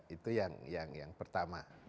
itu yang pertama